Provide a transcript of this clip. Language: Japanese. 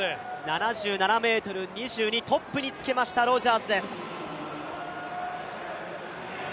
７７ｍ２２、トップにつけました、ロジャーズです。